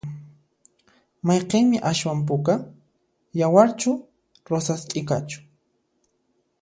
Mayqinmi aswan puka? yawarchu rosas t'ikachu?